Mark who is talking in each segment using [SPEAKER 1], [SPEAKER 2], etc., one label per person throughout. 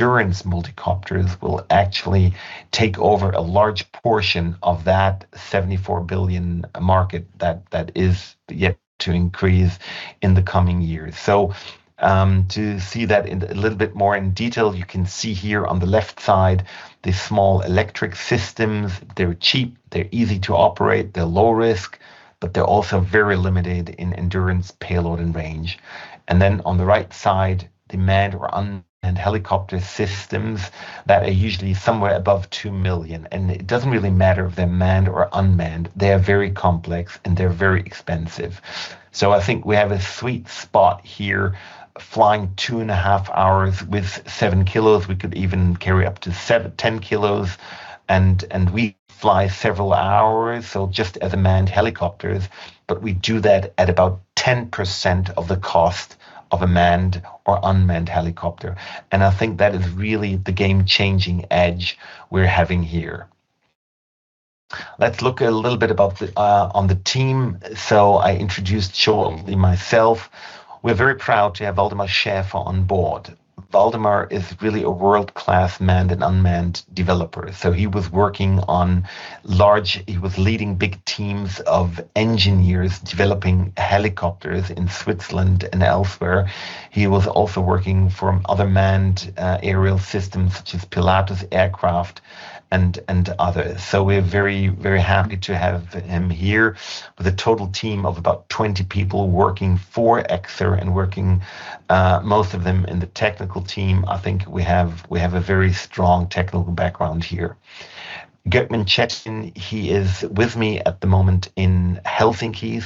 [SPEAKER 1] Endurance multicopters will actually take over a large portion of that 74 billion market that is yet to increase in the coming years. To see that a little bit more in detail, you can see here on the left side the small electric systems. They're cheap, they're easy to operate, they're low risk, but they're also very limited in endurance, payload, and range. On the right side, the manned or unmanned helicopter systems that are usually somewhere above 2 million. It doesn't really matter if they're manned or unmanned, they are very complex and they're very expensive. I think we have a sweet spot here flying two and a half hours with 7 kg. We could even carry up to 10 kg. We fly several hours, just as a manned helicopter, but we do that at about 10% of the cost of a manned or unmanned helicopter. I think that is really the game-changing edge we're having here. Let's look a little bit about the team. I introduced shortly myself. We're very proud to have Waldemar Schäfer on board. Waldemar is really a world-class manned and unmanned developer. He was leading big teams of engineers developing helicopters in Switzerland and elsewhere. He was also working for other manned aerial systems such as Pilatus Aircraft and others. We're very, very happy to have him here with a total team of about 20 people working for Xer and working most of them in the technical team. I think we have a very strong technical background here. Gökmen Çetin, he is with me at the moment in Helsinki.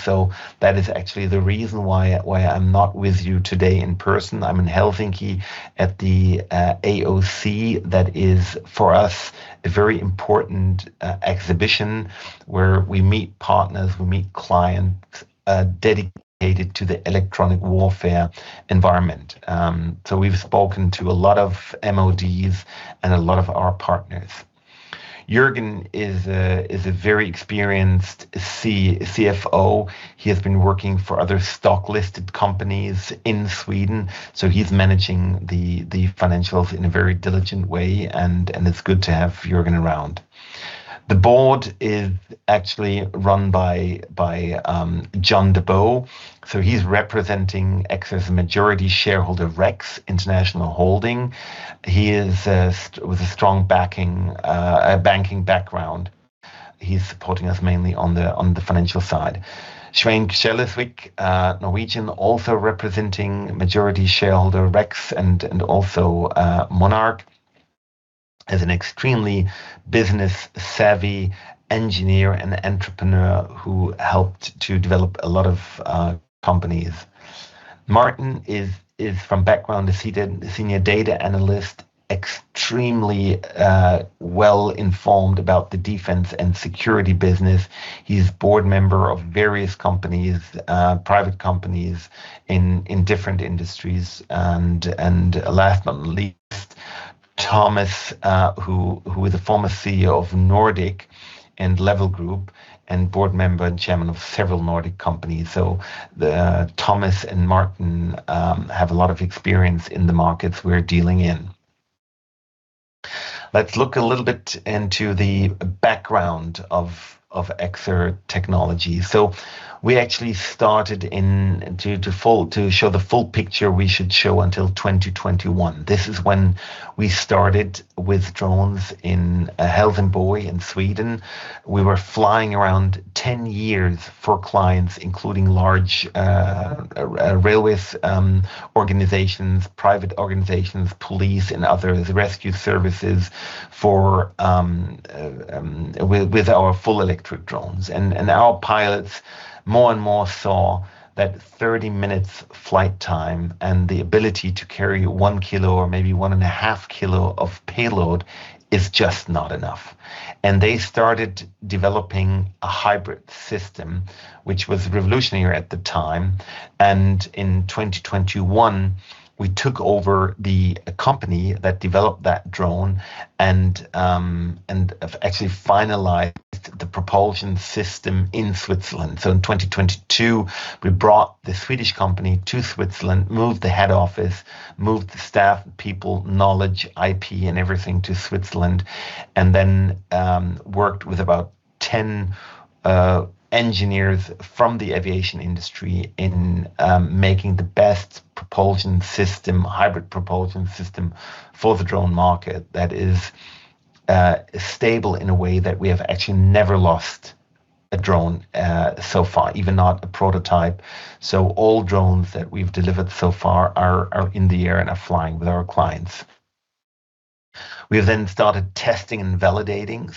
[SPEAKER 1] That is actually the reason why I'm not with you today in person. I'm in Helsinki at the AOC. That is, for us, a very important exhibition where we meet partners, we meet clients dedicated to the electronic warfare environment. We've spoken to a lot of MODs and a lot of our partners. Jörgen is a very experienced CFO. He has been working for other stock-listed companies in Sweden. He's managing the financials in a very diligent way. It's good to have Jörgen around. The board is actually run by John Dubeau. He's representing Xer's majority shareholder Rex International Holding. He is with a strong banking background. He's supporting us mainly on the financial side. Svein Kjellesvik, Norwegian, also representing majority shareholder Rex and also Monarch as an extremely business-savvy engineer and entrepreneur who helped to develop a lot of companies. Martin is from background a Senior Data Analyst, extremely well-informed about the defense and security business. He's board member of various companies, private companies in different industries. Last but not least, Thomas, who is a former CEO of Nordic Level Group and Board Member and Chairman of several Nordic companies. Thomas and Martin have a lot of experience in the markets we're dealing in. Let's look a little bit into the background of Xer Technologies. We actually started in to show the full picture, we should show until 2021. This is when we started with drones in Helsingborg in Sweden. We were flying around 10 years for clients, including large railways organizations, private organizations, police, and others, rescue services with our full electric drones. Our pilots more and more saw that 30 minutes flight time and the ability to carry 1 kg or maybe 1.5 kg of payload is just not enough. They started developing a hybrid system, which was revolutionary at the time. In 2021, we took over the company that developed that drone and actually finalized the propulsion system in Switzerland. In 2022, we brought the Swedish company to Switzerland, moved the head office, moved the staff, people, knowledge, IP, and everything to Switzerland, and then worked with about 10 engineers from the aviation industry in making the best propulsion system, hybrid propulsion system for the drone market that is stable in a way that we have actually never lost a drone so far, even not a prototype. All drones that we've delivered so far are in the air and are flying with our clients. We have then started testing and validating.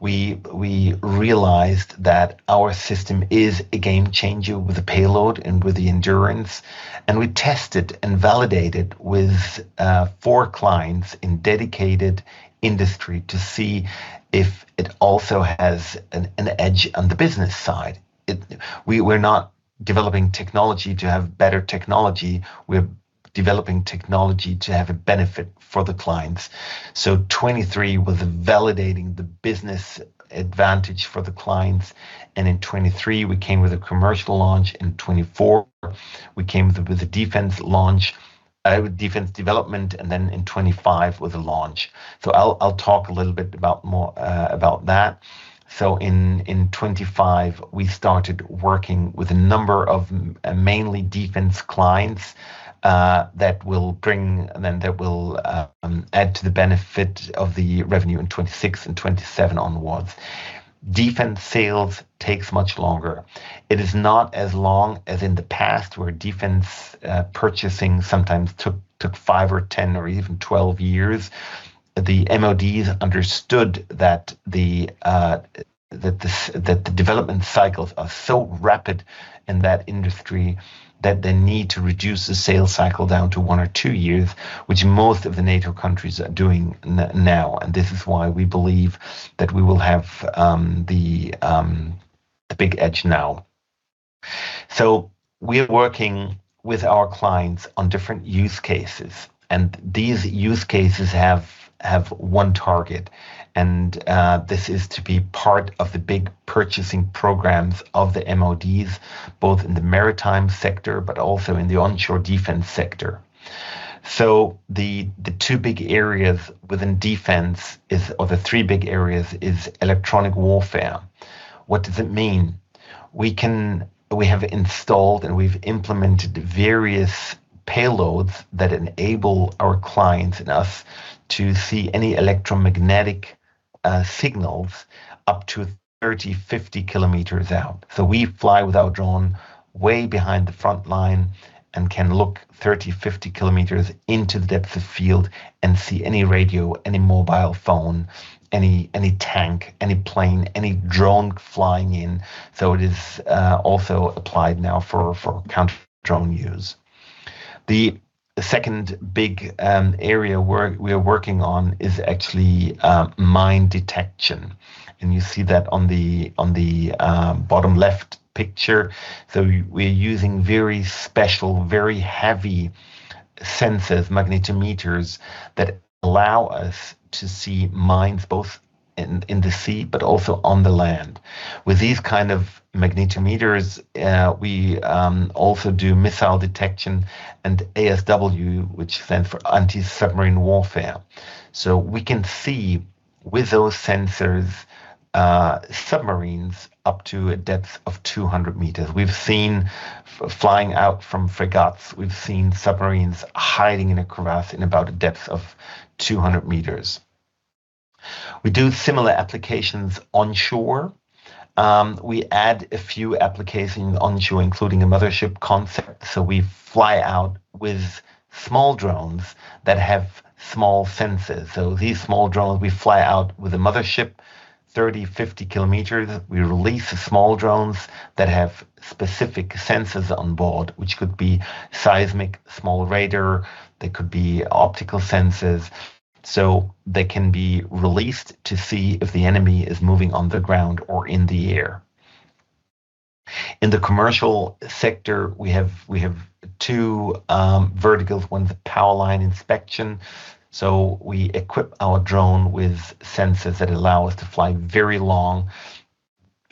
[SPEAKER 1] We realized that our system is a game changer with the payload and with the endurance. We tested and validated with four clients in dedicated industry to see if it also has an edge on the business side. We're not developing technology to have better technology. We're developing technology to have a benefit for the clients. 2023 was validating the business advantage for the clients. In 2023, we came with a commercial launch. In 2024, we came with a defense launch, defense development. In 2025 was a launch. I'll talk a little bit more about that. In 2025, we started working with a number of mainly defense clients that will bring then that will add to the benefit of the revenue in 2026 and 2027 onwards. Defense sales takes much longer. It is not as long as in the past where defense purchasing sometimes took five or 10 or even 12 years. The MODs understood that the development cycles are so rapid in that industry that they need to reduce the sales cycle down to one or two years, which most of the NATO countries are doing now. This is why we believe that we will have the big edge now. We are working with our clients on different use cases. These use cases have one target. This is to be part of the big purchasing programs of the MODs, both in the maritime sector, but also in the onshore defense sector. The two big areas within defense or the three big areas is electronic warfare. What does it mean? We have installed and we've implemented various payloads that enable our clients and us to see any electromagnetic signals up to 30 km, 50 km out. We fly with our drone way behind the front line and can look 30 km, 50 km into the depths of field and see any radio, any mobile phone, any tank, any plane, any drone flying in. It is also applied now for counter-drone use. The second big area we are working on is actually mine detection. You see that on the bottom left picture. We are using very special, very heavy sensors, magnetometers, that allow us to see mines both in the sea, but also on the land. With these kind of magnetometers, we also do missile detection and ASW, which stands for anti-submarine warfare. We can see with those sensors submarines up to a depth of 200 m. We've seen flying out from frigates. We've seen submarines hiding in a crevasse in about a depth of 200 m. We do similar applications onshore. We add a few applications onshore, including a mothership concept. We fly out with small drones that have small sensors. These small drones, we fly out with a mothership 30 km, 50 km. We release small drones that have specific sensors on board, which could be seismic small radar. There could be optical sensors. They can be released to see if the enemy is moving on the ground or in the air. In the commercial sector, we have two verticals. One's power line inspection. We equip our drone with sensors that allow us to fly very long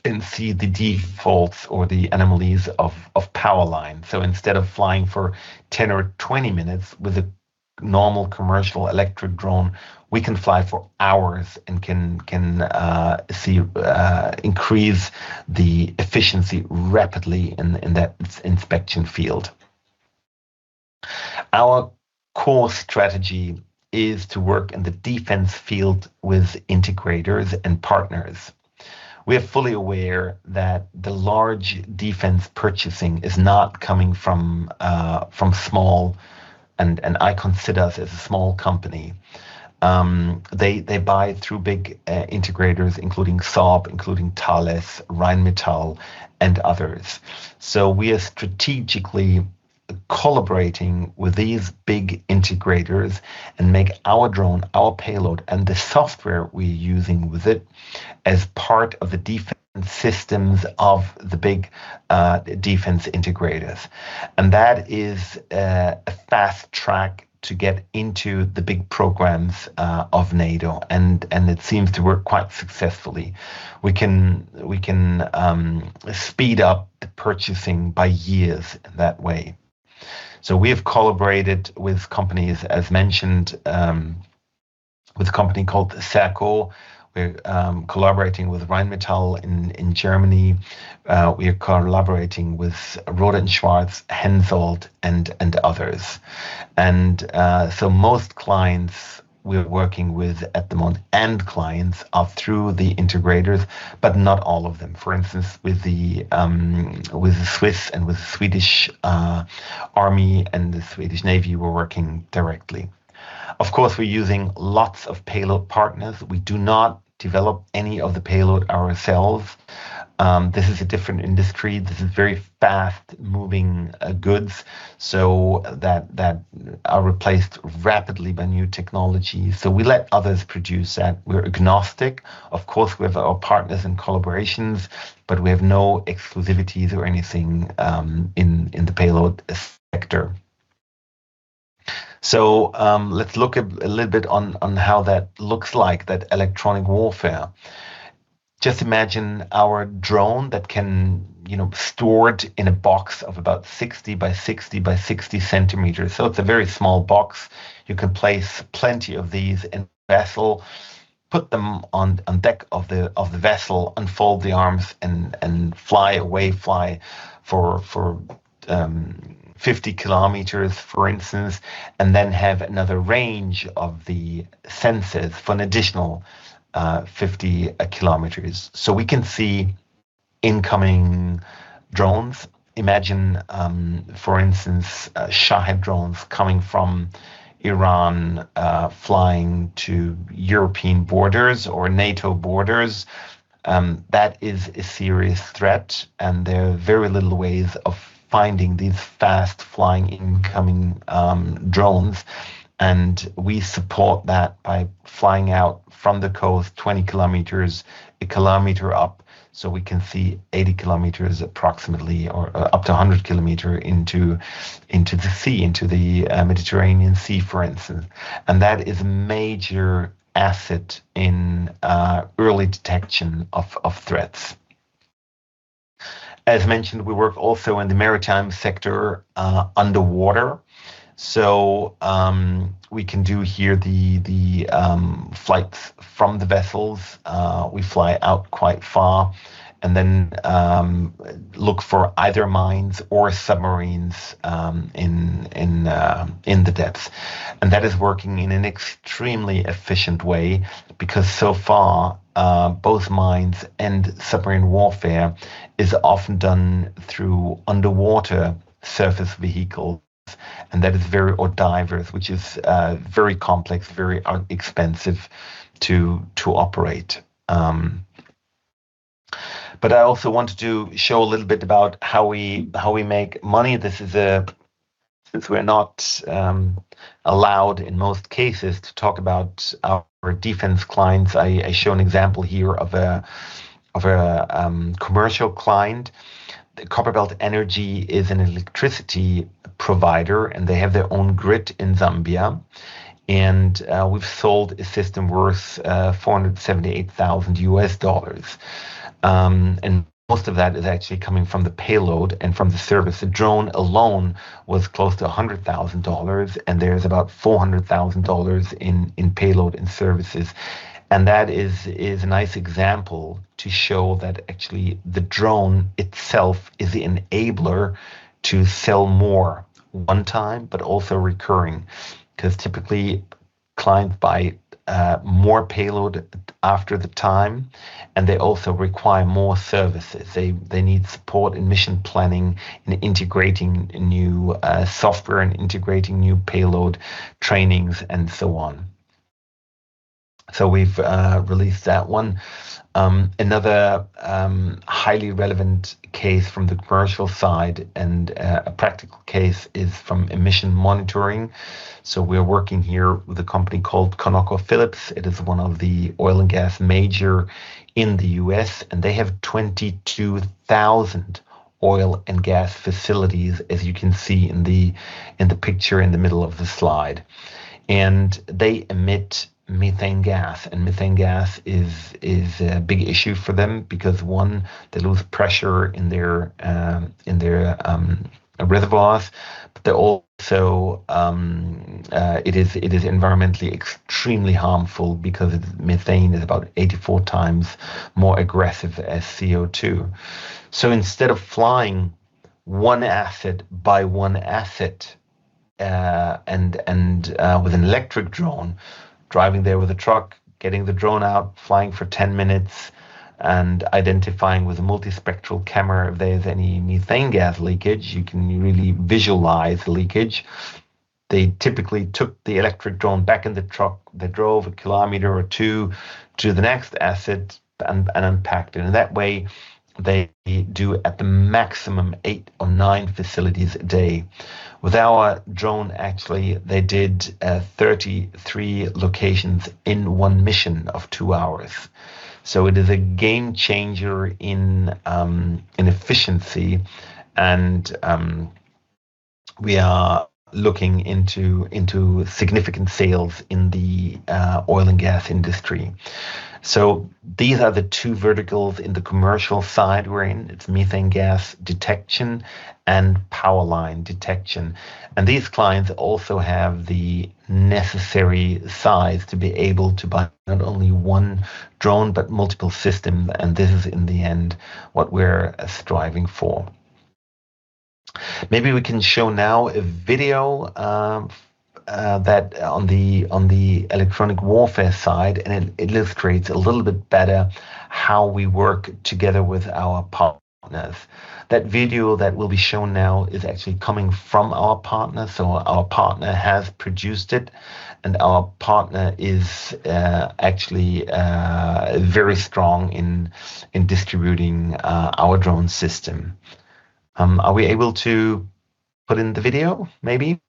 [SPEAKER 1] and see the defects or the anomalies of power line. Instead of flying for 10 or 20 minutes with a normal commercial electric drone, we can fly for hours and can see increase the efficiency rapidly in that inspection field. Our core strategy is to work in the defense field with integrators and partners. We are fully aware that the large defense purchasing is not coming from small, and I consider us as a small company. They buy through big integrators, including Saab, including Thales, Rheinmetall, and others. We are strategically collaborating with these big integrators and make our drone, our payload, and the software we are using with it as part of the defense systems of the big defense integrators. That is a fast track to get into the big programs of NATO. It seems to work quite successfully. We can speed up the purchasing by years that way. We have collaborated with companies, as mentioned, with a company called Sako. We're collaborating with Rheinmetall in Germany. We are collaborating with Rohde & Schwarz, Hensoldt, and others. Most clients we are working with at the moment and clients are through the integrators, but not all of them. For instance, with the Swiss and with the Swedish Army and the Swedish Navy, we're working directly. Of course, we're using lots of payload partners. We do not develop any of the payload ourselves. This is a different industry. This is very fast-moving goods so that are replaced rapidly by new technologies. We let others produce that. We're agnostic. Of course, we have our partners and collaborations, but we have no exclusivities or anything in the payload sector. Let's look a little bit on how that looks like, that electronic warfare. Just imagine our drone that can store it in a box of about 60 by 60 by 60 cm. It's a very small box. You can place plenty of these in the vessel, put them on deck of the vessel, unfold the arms, and fly away, fly for 50 km, for instance, and then have another range of the sensors for an additional 50 km. We can see incoming drones. Imagine, for instance, Shahed drones coming from Iran, flying to European borders or NATO borders. That is a serious threat. There are very little ways of finding these fast-flying incoming drones. We support that by flying out from the coast 20 km, a kilometer up, so we can see 80 km approximately or up to 100 km into the sea, into the Mediterranean Sea, for instance. That is a major asset in early detection of threats. As mentioned, we work also in the maritime sector underwater. We can do here the flights from the vessels. We fly out quite far and then look for either mines or submarines in the depths. That is working in an extremely efficient way because so far, both mines and submarine warfare is often done through underwater surface vehicles. That is very diverse, which is very complex, very expensive to operate. I also want to show a little bit about how we make money. Since we're not allowed, in most cases, to talk about our defense clients, I show an example here of a commercial client. Copperbelt Energy is an electricity provider, and they have their own grid in Zambia. We've sold a system worth $478,000. Most of that is actually coming from the payload and from the service. The drone alone was close to $100,000. There's about $400,000 in payload and services. That is a nice example to show that actually the drone itself is the enabler to sell more one time, but also recurring because typically, clients buy more payload after the time, and they also require more services. They need support in mission planning and integrating new software and integrating new payload trainings and so on. We've released that one. Another highly relevant case from the commercial side and a practical case is from emission monitoring. We are working here with a company called ConocoPhillips. It is one of the oil and gas major in the U.S. They have 22,000 oil and gas facilities, as you can see in the picture in the middle of the slide. They emit methane gas. Methane gas is a big issue for them because, one, they lose pressure in their reservoirs. Also, it is environmentally extremely harmful because methane is about 84 times more aggressive as CO2. Instead of flying one asset by one asset and with an electric drone, driving there with a truck, getting the drone out, flying for 10 minutes, and identifying with a multispectral camera if there's any methane gas leakage, you can really visualize the leakage. They typically took the electric drone back in the truck. They drove a kilometer or 2 km to the next asset and unpacked it. That way, they do at the maximum eight or nine facilities a day. With our drone, actually, they did 33 locations in one mission of two hours. It is a game changer in efficiency. We are looking into significant sales in the oil and gas industry. These are the two verticals in the commercial side we're in. It's methane gas detection and power line detection. These clients also have the necessary size to be able to buy not only one drone, but multiple systems. This is, in the end, what we're striving for. Maybe we can show now a video on the electronic warfare side. It illustrates a little bit better how we work together with our partners. That video that will be shown now is actually coming from our partner. Our partner has produced it. Our partner is actually very strong in distributing our drone system. Are we able to put in the video, maybe?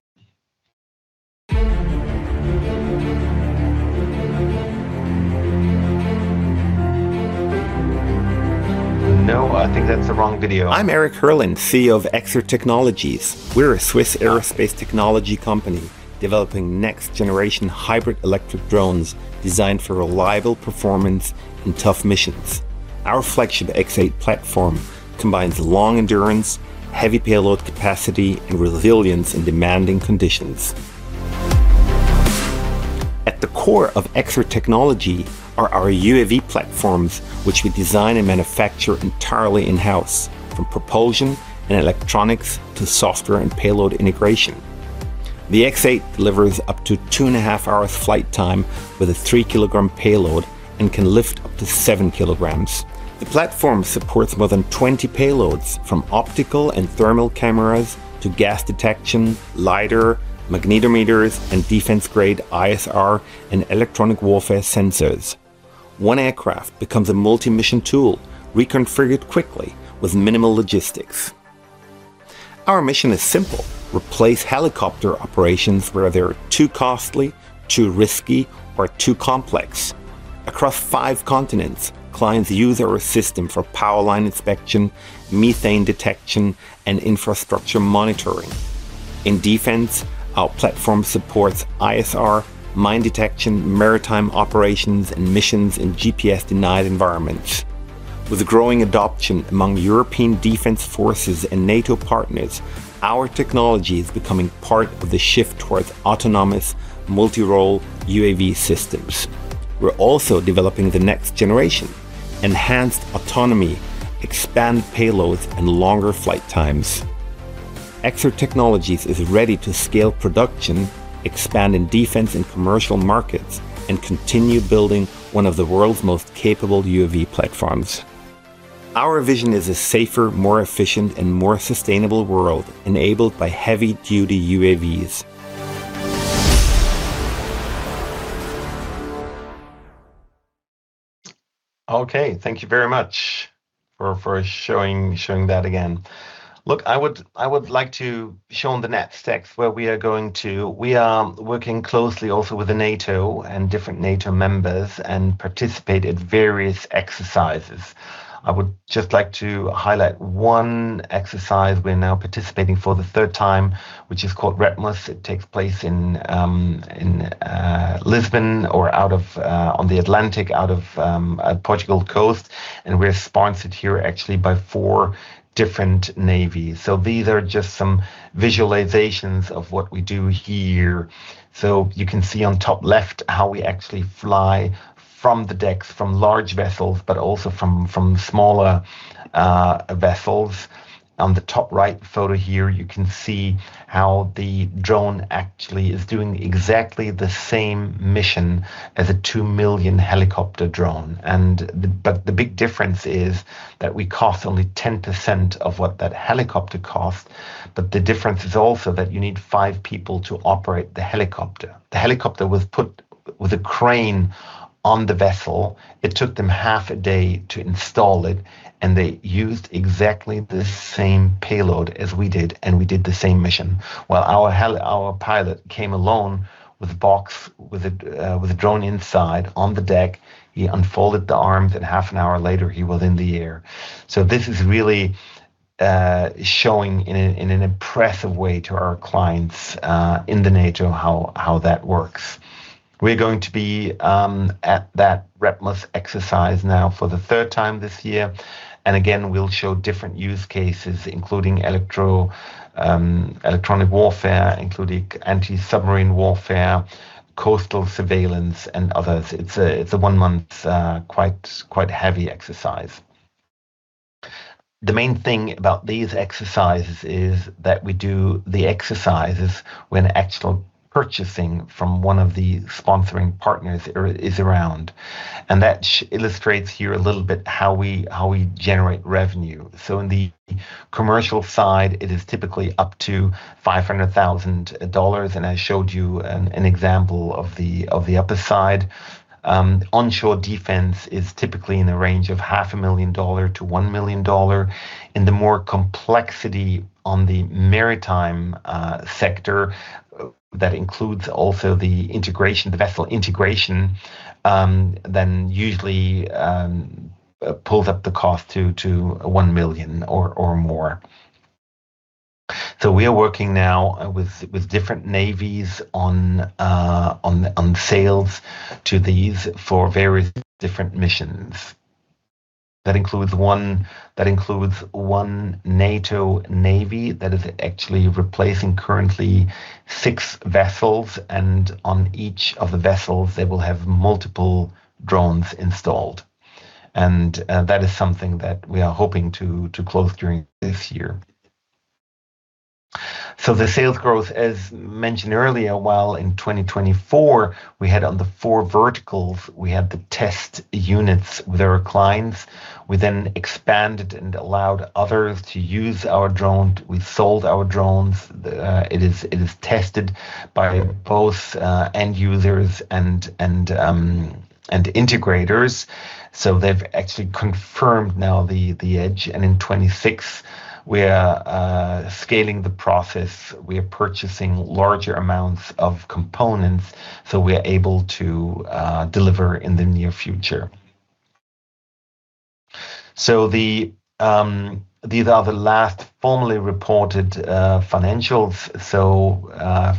[SPEAKER 1] No, I think that's the wrong video. I'm Erik Herlyn, CEO of Xer Technologies. We're a Swiss aerospace technology company developing next-generation hybrid electric drones designed for reliable performance in tough missions. Our flagship X8 platform combines long endurance, heavy payload capacity, and resilience in demanding conditions. At the core of Xer Technologies are our UAV platforms, which we design and manufacture entirely in-house, from propulsion and electronics to software and payload integration. The X8 delivers up to two and a half hours flight time with a 3 kg payload and can lift up to 7 kg. The platform supports more than 20 payloads, from optical and thermal cameras to gas detection, lidar, magnetometers, and defense-grade ISR and electronic warfare sensors. One aircraft becomes a multi-mission tool, reconfigured quickly with minimal logistics. Our mission is simple: replace helicopter operations where they're too costly, too risky, or too complex. Across five continents, clients use our system for power line inspection, methane detection, and infrastructure monitoring. In defense, our platform supports ISR, mine detection, maritime operations, and missions in GPS-denied environments. With growing adoption among European defense forces and NATO partners, our technology is becoming part of the shift towards autonomous, multirole UAV systems. We're also developing the next generation: enhanced autonomy, expand payloads, and longer flight times. Xer Technologies is ready to scale production, expand in defense and commercial markets, and continue building one of the world's most capable UAV platforms. Our vision is a safer, more efficient, and more sustainable world enabled by heavy-duty UAVs. Okay. Thank you very much for showing that again. Look, I would like to show on the next text where we are working closely also with the NATO and different NATO members and participate in various exercises. I would just like to highlight one exercise we're now participating for the third time, which is called REPMUS. It takes place in Lisbon or on the Atlantic, out of Portugal coast. We're sponsored here, actually, by four different navies. These are just some visualizations of what we do here. You can see on top left how we actually fly from the decks, from large vessels, but also from smaller vessels. On the top right photo here, you can see how the drone actually is doing exactly the same mission as a 2 million-helicopter drone. The big difference is that we cost only 10% of what that helicopter costs. The difference is also that you need five people to operate the helicopter. The helicopter was put with a crane on the vessel. It took them half a day to install it. They used exactly the same payload as we did. We did the same mission. Our pilot came alone with a box with a drone inside on the deck, he unfolded the arms. Half an hour later, he was in the air. This is really showing in an impressive way to our clients in the NATO how that works. We're going to be at that REPMUS exercise now for the third time this year. Again, we'll show different use cases, including electronic warfare, including anti-submarine warfare, coastal surveillance, and others. It's a one-month, quite heavy exercise. The main thing about these exercises is that we do the exercises when actual purchasing from one of the sponsoring partners is around. That illustrates here a little bit how we generate revenue. In the commercial side, it is typically up to $500,000. I showed you an example of the upper side. Onshore defense is typically in the range of $500,000 million-$1 million. In the more complexity on the maritime sector, that includes also the integration, the vessel integration, then usually pulls up the cost to $1 million or more. We are working now with different navies on sales to these for various different missions. That includes one NATO navy that is actually replacing currently six vessels. On each of the vessels, they will have multiple drones installed. That is something that we are hoping to close during this year. The sales growth, as mentioned earlier, while in 2024, we had on the four verticals, we had the test units with our clients. We then expanded and allowed others to use our drones. We sold our drones. It is tested by both end users and integrators. They've actually confirmed now the edge. In 2026, we are scaling the process. We are purchasing larger amounts of components so we are able to deliver in the near future. These are the last formally reported financials.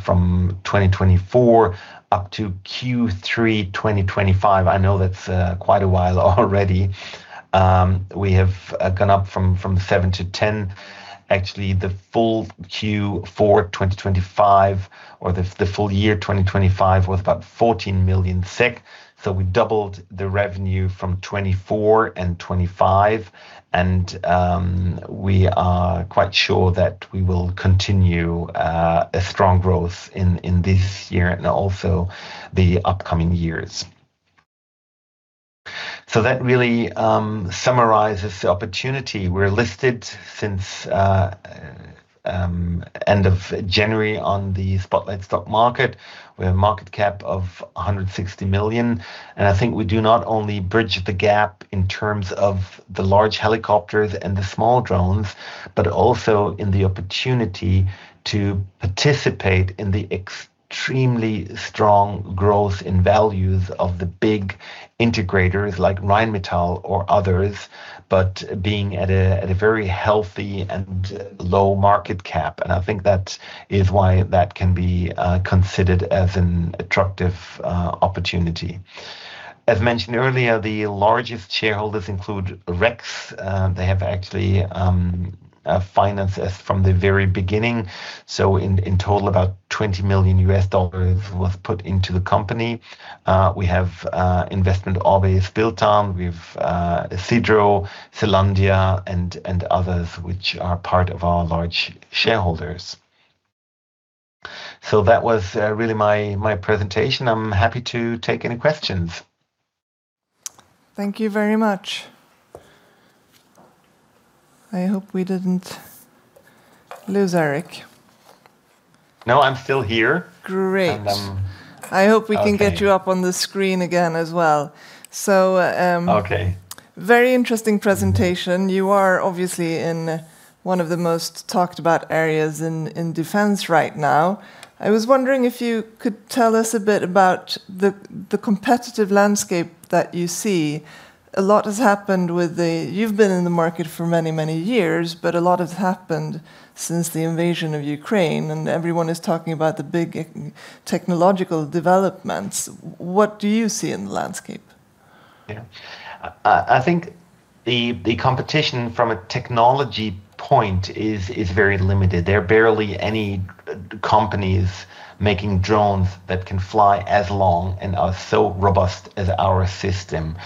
[SPEAKER 1] From 2024 up to Q3 2025, I know that's quite a while already. We have gone up from 7:10. Actually, the full Q4 2025 or the full year 2025 was about 14 million. We doubled the revenue from 2024 and 2025. We are quite sure that we will continue a strong growth in this year and also the upcoming years. That really summarizes the opportunity. We're listed since end of January on the Spotlight Stock Market. We have a market cap of 160 million. I think we do not only bridge the gap in terms of the large helicopters and the small drones, but also in the opportunity to participate in the extremely strong growth in values of the big integrators like Rheinmetall or others, but being at a very healthy and low market cap. I think that is why that can be considered as an attractive opportunity. As mentioned earlier, the largest shareholders include Rex. They have actually financed us from the very beginning. In total, about $20 million was put into the company. We have investment always built on. We have Cidro, Selandia, and others, which are part of our large shareholders. That was really my presentation. I'm happy to take any questions.
[SPEAKER 2] Thank you very much. I hope we didn't lose Erik.
[SPEAKER 1] No, I'm still here.
[SPEAKER 2] Great. I hope we can get you up on the screen again as well. Very interesting presentation. You are obviously in one of the most talked-about areas in defense right now. I was wondering if you could tell us a bit about the competitive landscape that you see. A lot has happened with the you've been in the market for many, many years, but a lot has happened since the invasion of Ukraine. Everyone is talking about the big technological developments. What do you see in the landscape?
[SPEAKER 1] Yeah. I think the competition from a technology point is very limited. There are barely any companies making drones that can fly as long and are so robust as our system.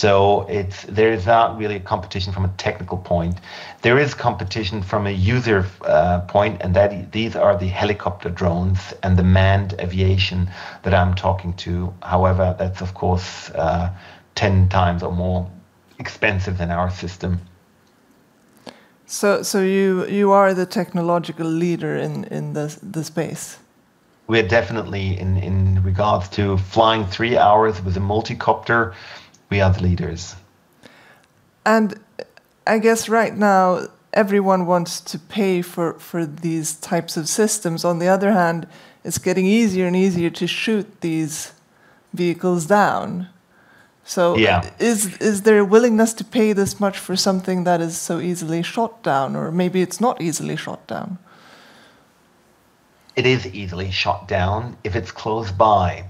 [SPEAKER 1] There is not really a competition from a technical point. There is competition from a user point, and these are the helicopter drones and the manned aviation that I'm talking to. However, that's, of course, 10 times or more expensive than our system.
[SPEAKER 2] You are the technological leader in the space?
[SPEAKER 1] We are definitely. In regards to flying three hours with a multicopter, we are the leaders.
[SPEAKER 2] I guess right now, everyone wants to pay for these types of systems. On the other hand, it's getting easier and easier to shoot these vehicles down. Is there a willingness to pay this much for something that is so easily shot down? Maybe it's not easily shot down.
[SPEAKER 1] It is easily shot down if it's close by.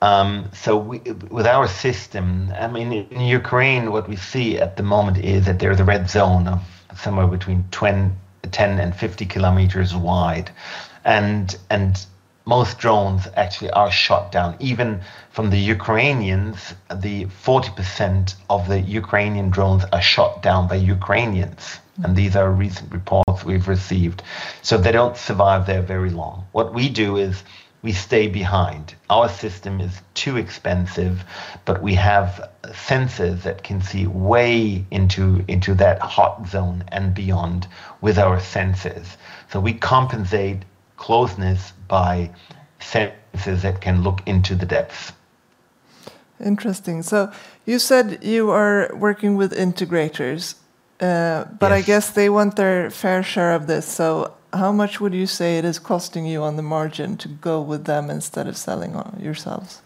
[SPEAKER 1] With our system I mean, in Ukraine, what we see at the moment is that there's a red zone somewhere between 10-50 km wide. Most drones actually are shot down. Even from the Ukrainians, 40% of the Ukrainian drones are shot down by Ukrainians. These are recent reports we've received. They don't survive there very long. What we do is we stay behind. Our system is too expensive, but we have sensors that can see way into that hot zone and beyond with our sensors. We compensate closeness by sensors that can look into the depths.
[SPEAKER 2] Interesting. You said you are working with integrators. I guess they want their fair share of this. How much would you say it is costing you on the margin to go with them instead of selling yourselves?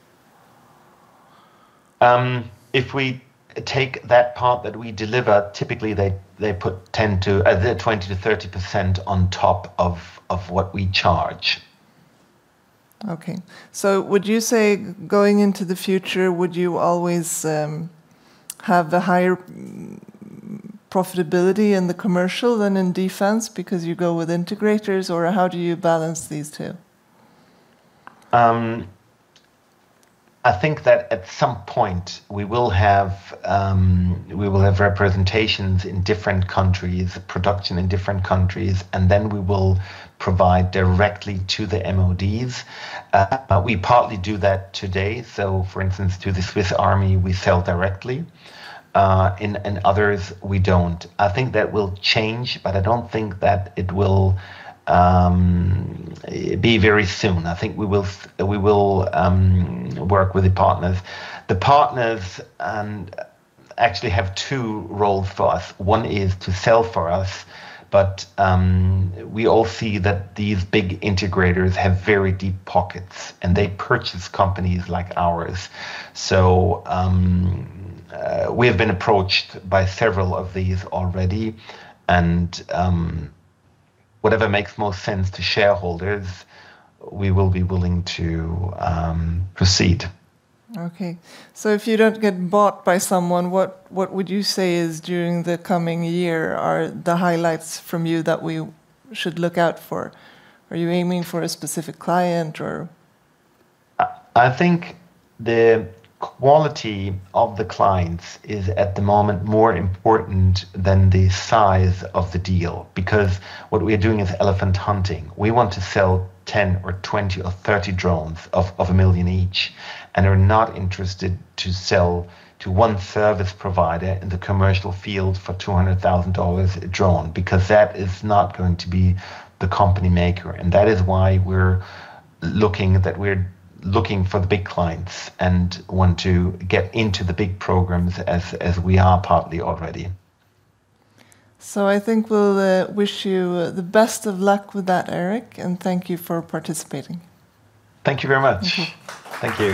[SPEAKER 1] If we take that part that we deliver, typically, they put 20%-30% on top of what we charge.
[SPEAKER 2] Okay. Would you say going into the future, would you always have the higher profitability in the commercial than in defense because you go with integrators? Or how do you balance these two?
[SPEAKER 1] I think that at some point, we will have representations in different countries, production in different countries. Then we will provide directly to the MODs. We partly do that today. For instance, to the Swiss Army, we sell directly. Others, we don't. I think that will change. I don't think that it will be very soon. I think we will work with the partners. The partners actually have two roles for us. One is to sell for us. We all see that these big integrators have very deep pockets. They purchase companies like ours. We have been approached by several of these already. Whatever makes most sense to shareholders, we will be willing to proceed.
[SPEAKER 2] If you don't get bought by someone, what would you say is during the coming year are the highlights from you that we should look out for? Are you aiming for a specific client, or?
[SPEAKER 1] I think the quality of the clients is, at the moment, more important than the size of the deal because what we are doing is elephant hunting. We want to sell 10 or 20 or 30 drones of 1 million each and are not interested to sell to one service provider in the commercial field for SEK 200,000 a drone because that is not going to be the company maker. That is why we're looking for the big clients and want to get into the big programs as we are partly already.
[SPEAKER 2] I think we'll wish you the best of luck with that, Erik. Thank you for participating.
[SPEAKER 1] Thank you very much. Thank you.